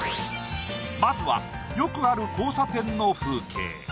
まずはよくある交差点の風景